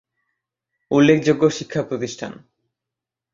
উল্লেখযোগ্য শিক্ষাপ্রতিষ্ঠান-